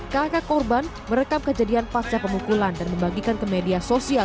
kakak korban merekam kejadian pasca pemukulan dan membagikan ke media sosial